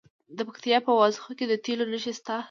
د پکتیکا په وازیخوا کې د تیلو نښې شته.